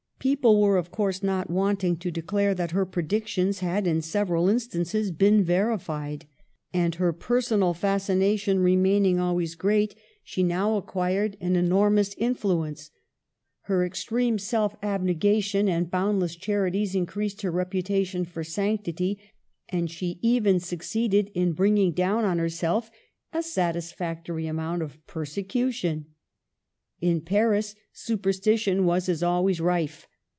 People were, of course, not wanting to declare that her predictions had in several instances been verified ; and, her personal fasci nation remaining always great, she now acquired Digitized by VjOOQIC NEW FACES AT COPPET. 113 an enormous influence. Her extreme self abne gation and boundless charities increased her rep utation for sanctity, and she even succeeded in bringing down on herself a satisfactory amount of persecution. In Paris superstition was, as always, rife.